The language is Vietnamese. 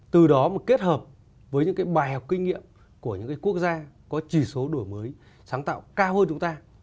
từ đó mà kết hợp với những cái bài học kinh nghiệm của những cái quốc gia có chỉ số đổi mới sáng tạo cao hơn chúng ta